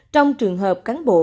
trong trường hợp cán bộ